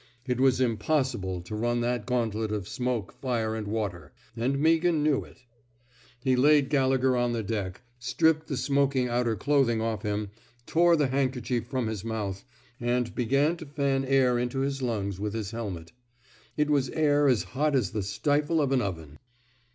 It was impossible to run that gauntlet of smoke, fire, and water; and Meaghan knew it. He laid Gallegher on the deck, stripped the smoking outer clothing off him, tore the handkerchief from his mouth, and began to fan air into his lungs with his helmet. It was air as hot as the stifle of an oven.